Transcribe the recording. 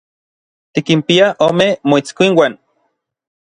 Tikinpia ome moitskuinuan.